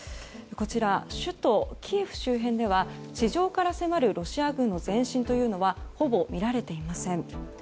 こちら、首都キエフ周辺では地上から迫るロシア軍の前進というのはほぼ見られていません。